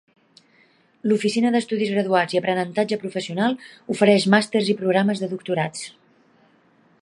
L'Oficina d'Estudis Graduats i Aprenentatge Professional ofereix màsters i programes de doctorats.